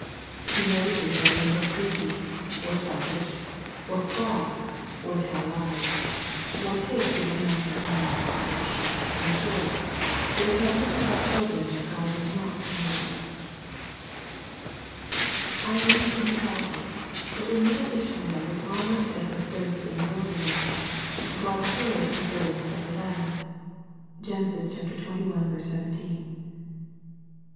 He notices whether you are greedy, or selfish, or cross, or tell lies, or take what is not your own. In short, there is nothing about children that God does not notice. I read in the Bible, that when little Ishmael was almost dead with thirst in the wilderness, "God heard the voice of tl\^\^.d." ^^^,t3x. 12 SERMONS FOR CHILDREN. 17.)